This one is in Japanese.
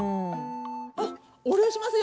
あ、お礼しますよ。